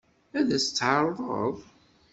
Ad as-tt-tɛeṛḍeḍ?